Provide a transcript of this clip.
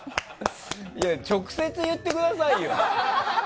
いや直接、言ってくださいよ。